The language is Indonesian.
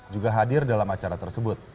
juga hadir dalam acara tersebut